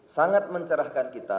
sangat mencerahkan kita